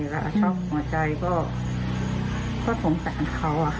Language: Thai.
แล้วชอบหัวใจก็สงสารเขา